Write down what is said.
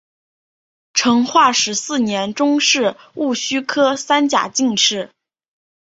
成化十四年中式戊戌科三甲进士。